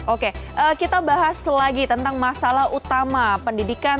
oke kita bahas lagi tentang masalah utama pendidikan